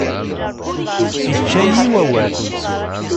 Ičča-yi wawal.